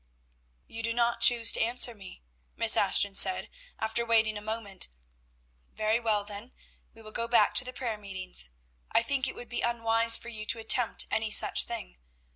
"You do not choose to answer me," Miss Ashton said after waiting a moment. "Very well, then, we will go back to the prayer meetings; I think it would be unwise for you to attempt any such thing.